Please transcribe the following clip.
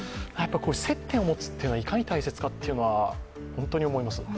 接点を持つというのがいかに大切かっていうのは本当に思います。